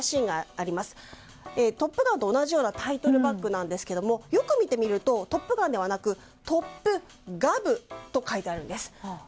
「トップガン」と同じようなタイトルバックなんですけどよく見てみると「トップガン」ではなく「ＴＯＰＧＯＶ」と書いてあるんです。